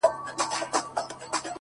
يار ژوند او هغه سره خنـديږي،